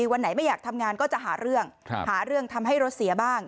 วันไหนไม่อยากทำงานก็จะหาเรื่องหาเรื่องทำให้รถเสียบ้าง